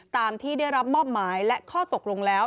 ตามที่ได้รับมอบหมายและข้อตกลงแล้ว